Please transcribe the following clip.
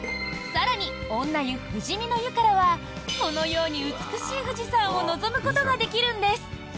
更に女湯、富士見の湯からはこのように美しい富士山を望むことができるんです。